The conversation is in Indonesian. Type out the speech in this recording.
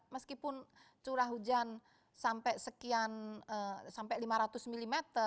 meskipun curah hujan sampai sekian sampai lima ratus mm